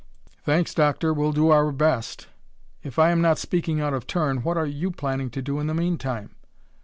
"Thanks, Doctor, we'll do our best. If I am not speaking out of turn, what are you planning to do in the mean time?"